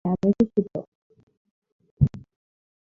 হ্যাঁ, আমি খুশি তো!